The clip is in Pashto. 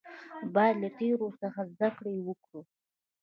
باید له تیرو څخه زده کړه وکړو